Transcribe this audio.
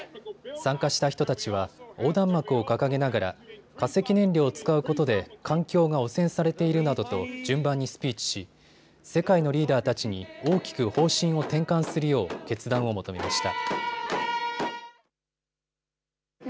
参加した人たちは横断幕を掲げながら化石燃料を使うことで環境が汚染されているなどと順番にスピーチし世界のリーダーたちに大きく方針を転換するよう決断を求めました。